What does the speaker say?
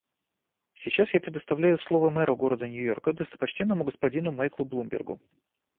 Сейчас я предоставляю слово мэру города Нью-Йорка достопочтенному господину Майклу Блумбергу.